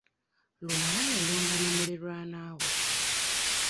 Lumala yayomba ne muliraanwawe.